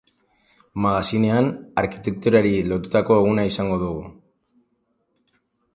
Magazinean, arkitekturari lotutako eguna izango dugu.